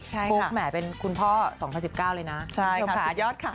ใช่ค่ะโปรดแหมเป็นคุณพ่อสองพันสิบเก้าเลยนะใช่ค่ะสุดยอดค่ะ